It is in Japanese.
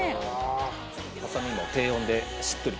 ササミも低温でしっとりと。